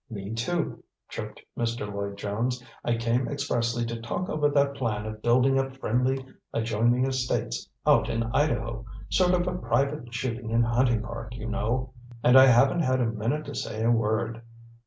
"Me, too," chirped Mr. Lloyd Jones. "I came expressly to talk over that plan of building up friendly adjoining estates out in Idaho; sort of private shooting and hunting park, you know. And I haven't had a minute to say a word."